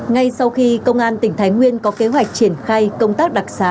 ngay sau khi công an tỉnh thái nguyên có kế hoạch triển khai công tác đặc xá